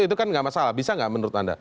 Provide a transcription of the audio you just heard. itu kan gak masalah bisa gak menurut anda